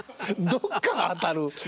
どっか当たる。